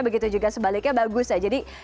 begitu juga sebaliknya bagus ya jadi